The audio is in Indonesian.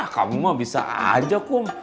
kamu mah bisa aja kum